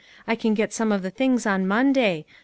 I can get some of the things on Monday.